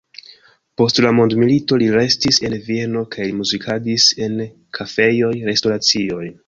Post la mondomilito li restis en Vieno kaj li muzikadis en kafejoj, restoracioj.